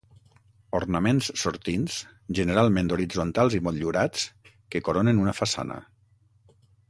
Ornaments sortints, generalment horitzontals i motllurats, que coronen una façana.